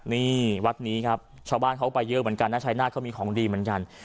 นี่วัดนี้ครับชาวบ้านเขาไปเยอะเหมือนกันนะชายนาฏเขามีของดีเหมือนกัน